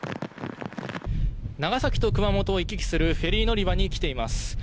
長崎と熊本を行き来するフェリー乗り場に来ています。